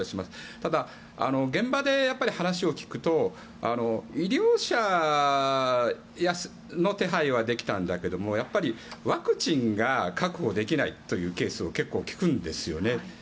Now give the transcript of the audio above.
ただ、現場で話を聞くと医療者の手配はできたんだけどやっぱりワクチンが確保できないというケースを結構聞くんですよね。